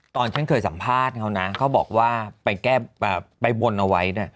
ตอนฉันเคยสัมภาษณ์เขานะเขาบอกว่าไปแก้ไปบนเอาไว้